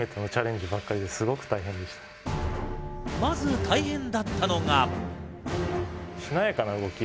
まず大変だったのが。